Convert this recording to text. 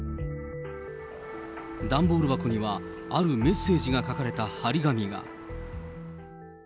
段ボール箱には、あるメッセージが書かれた貼り紙が。